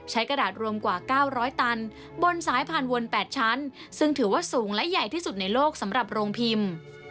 กระดาษรวมกว่า๙๐๐ตันบนสายผ่านวน๘ชั้นซึ่งถือว่าสูงและใหญ่ที่สุดในโลกสำหรับโรงพิมพ์